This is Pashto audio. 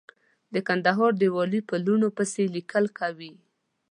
د کندهار د والي په لوڼو پسې ليکل کوي.